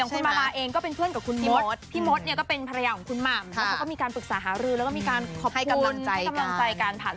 ใช่พี่มธพี่มธเนี้ยก็เป็นภรรยาของคุณหม่ามค่ะเขาก็มีการปรึกษาหารื่อยแล้วก็มีการขอบคุณให้กำลังจัยการผ่าน